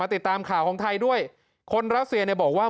ติดตามข่าวของไทยด้วยคนรัสเซียเนี่ยบอกว่า